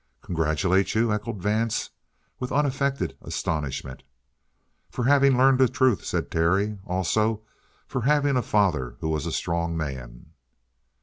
"Congratulate you?" echoed Vance, with unaffected astonishment. "For having learned the truth," said Terry. "Also, for having a father who was a strong man."